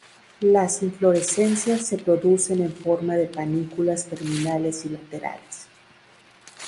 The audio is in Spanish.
Las inflorescencias se producen en forma de panículas terminales y laterales.